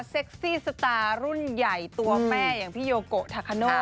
ซี่สตาร์รุ่นใหญ่ตัวแม่อย่างพี่โยโกทาคาโน่